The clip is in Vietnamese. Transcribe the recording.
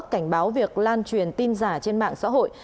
đảm bảo việc lan truyền tin giả trên mạng xã hội